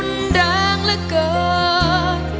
มันดังเหลือเกิน